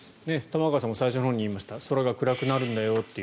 玉川さんも最初のほうに言いました空が暗くなるんだよと。